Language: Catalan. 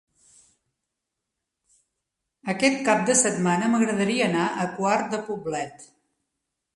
Aquest cap de setmana m'agradaria anar a Quart de Poblet.